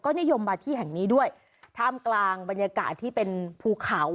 นิยมมาที่แห่งนี้ด้วยท่ามกลางบรรยากาศที่เป็นภูเขา